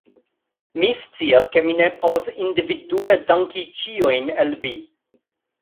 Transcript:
Mi scias, ke mi ne povas individue danki ĉiujn el vi